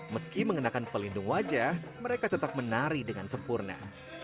meski mengenakan pelindung wajah mereka tetap menari dengan sempurna